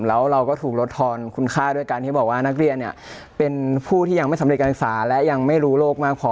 แล้วเราก็ถูกลดทอนคุณค่าด้วยการที่บอกว่านักเรียนเนี่ยเป็นผู้ที่ยังไม่สำเร็จการศึกษาและยังไม่รู้โลกมากพอ